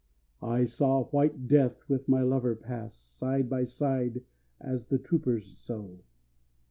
_ I saw white Death with my lover pass, Side by side as the troopers so.